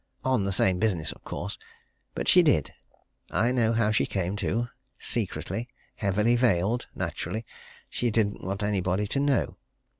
On the same business, of course. But she did I know how she came, too. Secretly heavily veiled naturally, she didn't want anybody to know.